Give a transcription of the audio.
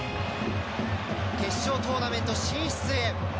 決勝トーナメント進出へ。